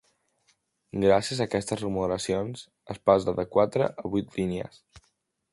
Gràcies a aquestes remodelacions, es passa de quatre a vuit línies.